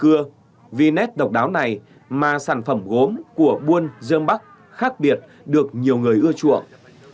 thưa a vì nét độc đáo này mà sản phẩm gốm của buôn dương bắc khác biệt được nhiều người ưa chuộng